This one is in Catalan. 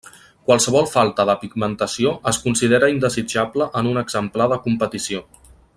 Qualsevol falta de pigmentació es considera indesitjable en un exemplar de competició.